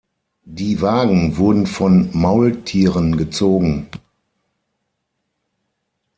Die Wagen wurden von Maultieren gezogen.